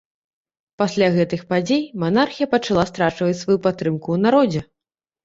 Пасля гэтых падзей, манархія пачала страчваць сваю падтрымку ў народзе.